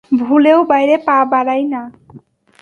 ভুলেও বাইরে পা বাড়াই না।